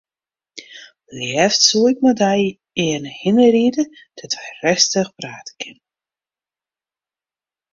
Leafst soe ik mei dy earne hinne ride dêr't wy rêstich prate kinne.